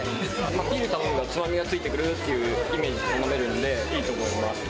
ビール頼むとつまみが付いてくるというイメージで頼めるのでいいと思います。